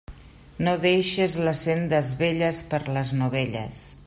No deixes les sendes velles per les novelles.